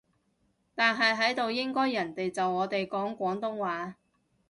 但係喺度應該人哋就我哋講廣東話